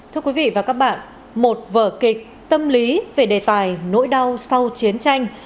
thưa quý vị và các bạn một vở kịch tâm lý về đề tài nỗi đau sau chiến tranh